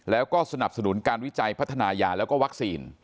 แล้วก็สนับสนุนการวิจัยพัฒนายาแล้วก็วัคซีน